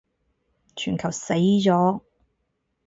全球死咗